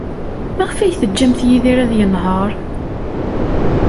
Maɣef ay teǧǧamt Yidir ad yenheṛ?